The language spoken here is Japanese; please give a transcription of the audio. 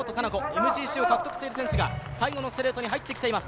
ＭＧＣを獲得している選手が最後のストレートに入ってきています。